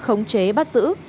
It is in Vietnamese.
khống chế bắt giữ